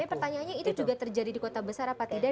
tapi pertanyaannya itu juga terjadi di kota besar apa tidak